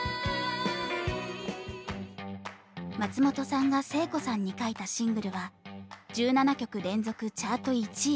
松本さんが聖子さんに書いたシングルは１７曲連続チャート１位。